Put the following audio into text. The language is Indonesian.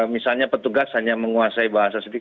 misalnya petugas hanya menguasai bahasa sedikit